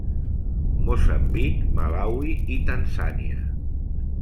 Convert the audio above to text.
Moçambic, Malawi i Tanzània.